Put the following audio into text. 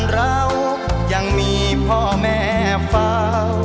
ช่วยฝังดินหรือกว่า